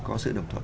có sự đồng thuận